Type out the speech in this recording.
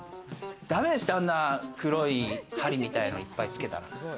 だめですって、あんな黒い針みたいのいっぱいつけたら。